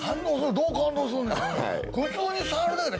どう感動すんねん？